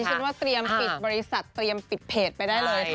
ฉันว่าเตรียมปิดบริษัทเตรียมปิดเพจไปได้เลยค่ะ